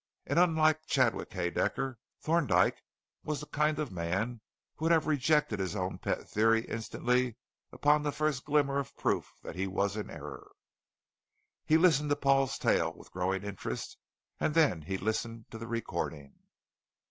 And unlike Chadwick Haedaecker, Thorndyke was the kind of man who would have rejected his own pet theory instantly upon the first glimmer of proof that he was in error. He listened to Paul's tale with growing interest and then he listened to the recording.